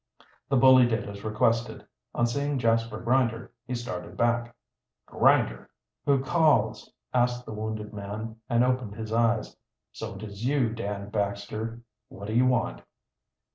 The bully did as requested. On seeing Jasper Grinder, he started back. "Grinder!" "Who calls?" asked the wounded man, and opened his eyes. "So it is you, Dan Baxter. What do you want?"